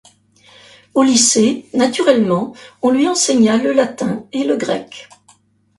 Au lycée, naturellement, on lui enseigna le latin et le grec.